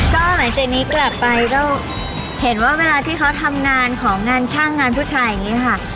ก็หลังจากนี้กลับไปก็เห็นว่าเวลาที่เขาทำงานของงานช่างงานผู้ชายอย่างนี้ค่ะ